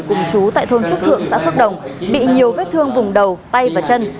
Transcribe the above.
cùng chú tại thôn phước thượng xã phước đồng bị nhiều vết thương vùng đầu tay và chân